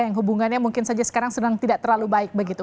yang hubungannya mungkin saja sekarang sedang tidak terlalu baik begitu